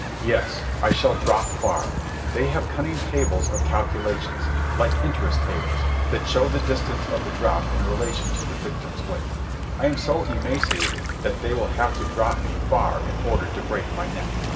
Yes, I shall drop far. They have cunning tables of calculations, like interest tables, that show the distance of the drop in relation to the victim's weight. I am so emaciated that they will have to drop me far in order to break my neck.